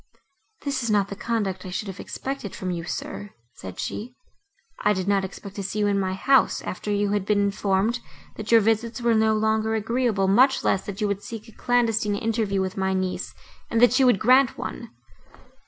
"This is not the conduct I should have expected from you, sir;" said she, "I did not expect to see you in my house, after you had been informed, that your visits were no longer agreeable, much less, that you would seek a clandestine interview with my niece, and that she would grant one."